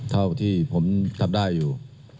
เท่าที่ผมทำได้อยู่